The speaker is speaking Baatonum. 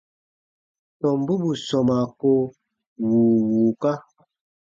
Tɔmbu bù sɔmaa ko wùu wùuka.